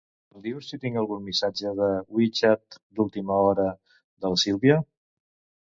Em dius si tinc algun missatge de WeChat d'última hora de la Silvia?